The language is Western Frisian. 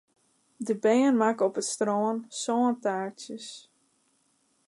De bern makken op it strân sântaartsjes.